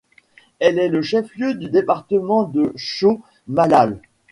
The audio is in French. Elle est le chef-lieu du département de Chos Malal.